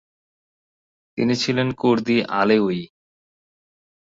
তিনি ছিলেন কুর্দি আলেউই।